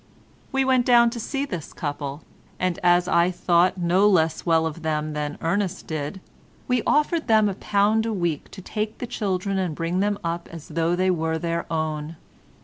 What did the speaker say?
We went down to see this couple, and as I thought no less well of them than Ernest did, we offered them a pound a week to take the children and bring them up as though they were their own.